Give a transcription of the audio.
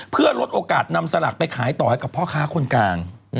เพื่อลดโอกาสนำสลากไปขายต่อให้กับพ่อค้าคนกลาง